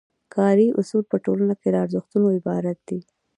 کاري اصول په ټولنه کې له ارزښتونو عبارت دي.